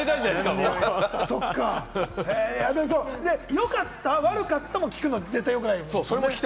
よかった、悪かったを聞くのもよくない。